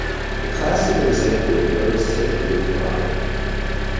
A classical example is: "birds typically fly".